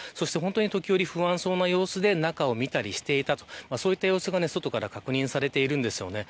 時折、不安そうな様子で中を見たりしていたとそういった様子が、外から確認されているんですよね。